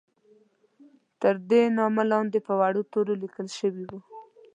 تر دې نامه لاندې په وړو تورو لیکل شوي وو.